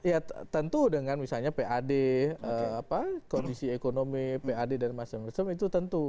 ya tentu dengan misalnya pad apa kondisi ekonomi pad dan masing masing itu tentu